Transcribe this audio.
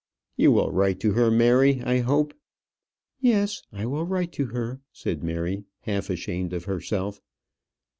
"You will write to her, Mary, I hope?" "Yes, I will write to her," said Mary, half ashamed of herself.